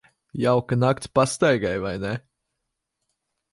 Jauka nakts pastaigai, vai ne?